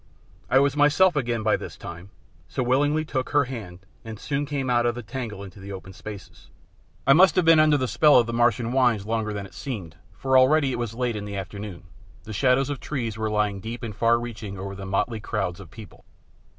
I was myself again by this time, so willingly took her hand, and soon came out of the tangle into the open spaces. I must have been under the spell of the Martian wines longer than it seemed, for already it was late in the afternoon, the shadows of trees were lying deep and far reaching over the motley crowds of people.